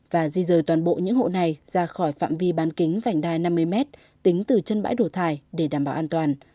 và di rời toàn bộ những hộ này ra khỏi phạm vi bán kính vành đai năm mươi mét tính từ chân bãi đổ thải để đảm bảo an toàn